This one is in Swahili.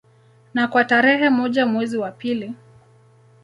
Na kwa tarehe moja mwezi wa pili